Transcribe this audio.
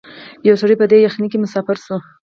یو سړی په دې یخنۍ کي مسافر سو